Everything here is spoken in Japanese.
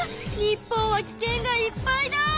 日本はき険がいっぱいだ！